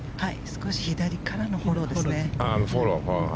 少し左からのフォローですね。